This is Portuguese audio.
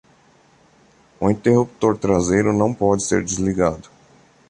O interruptor traseiro não pode ser desligado.